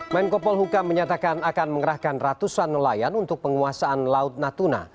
menko polhukam menyatakan akan mengerahkan ratusan nelayan untuk penguasaan laut natuna